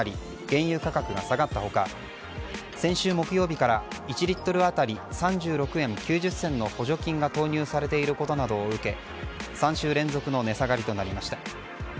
原油価格が下がったほか先週木曜日から１リットル当たり３６円９０銭の補助金が投入されていることなどを受け３週連続の値下がりとなりました。